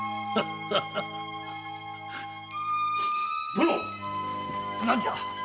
殿何じゃ？